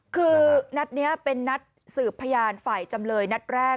คือนัดนี้เป็นนัดสืบพยานฝ่ายจำเลยนัดแรก